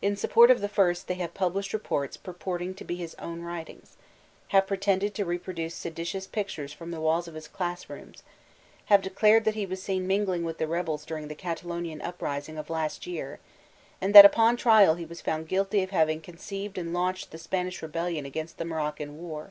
In support of the first they have pub lished reports purporting to be his own writings, have pretended to reproduce seditious pictures from the waUs of his class rooms, have declared that he was seen mingling with the rebels during the Catalonian uprising of last year, and that upon trial he was found guilty of hav ing conceived and launched the Spanish rebellioai against the Moroccan war.